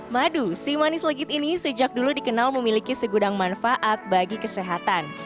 madu si manis legit ini sejak dulu dikenal memiliki segudang manfaat bagi kesehatan